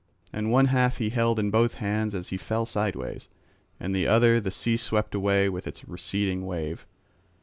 And one half he held in both his hands as he fell sideways, the other the sea swept away with its receding wave.